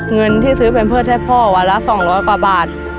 เงินที่ซื้อแพมเพิร์ตให้พ่อวันละ๒๐๐กว่าบาท